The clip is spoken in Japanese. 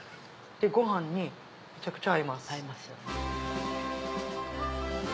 でご飯にめちゃくちゃ合います。